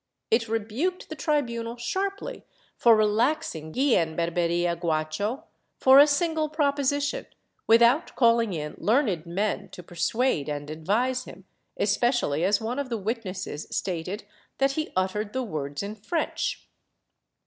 It rebuked the tribunal sharply for relaxing Guillen Berberia Guacho for a single proposition, without calling in learned men to persuade and advise him, especially as one of the witnesses stated that he uttered the words in French.